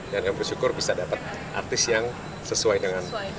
dan kami bersyukur bisa dapet artis yang sesuai dengan